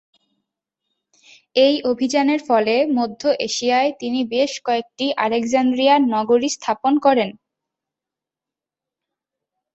এই অভিযানের ফলে মধ্য এশিয়ায় তিনি বেশ কয়েকটি আলেকজান্দ্রিয়া নগরী স্থাপন করেন।